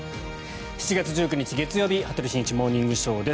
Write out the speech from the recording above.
７月１９日、月曜日「羽鳥慎一モーニングショー」。